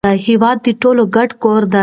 هیواد د ټولو ګډ کور دی.